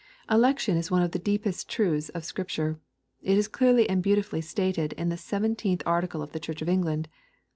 '' Election is one of the deepest truths of Scripture. It is clearly and beautifully stated in the seventeenth Art icle of the Church of England.